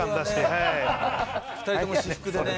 ２人とも私服でね。